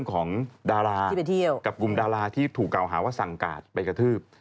ของดารากับกลุ่มดาราที่ถูกเอาหาว่าสังกาศไปกระทืบ